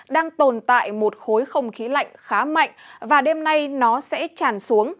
đang tồn tại một khối không khí lạnh khá mạnh và đêm nay nó sẽ tràn xuống